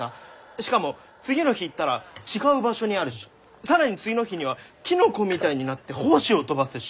しかも次の日行ったら違う場所にあるし更に次の日にはキノコみたいになって胞子を飛ばすし。